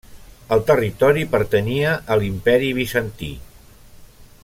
El territori pertanyia a l'Imperi Bizantí.